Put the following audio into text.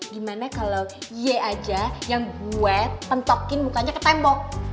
gimana kalo ye aja yang gue pentokin mukanya ke tembok